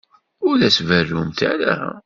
Ur as-berrumt ara.